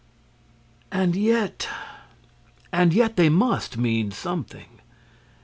And yet—and yet they must mean something!